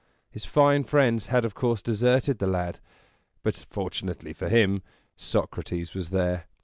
His fine friends had of course deserted the lad; but, fortunately for him, Socrates was there.